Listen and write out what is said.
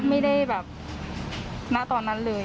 ไม่ได้แบบณตอนนั้นเลย